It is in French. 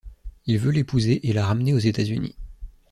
Il veut l'épouser et la ramener aux États-Unis.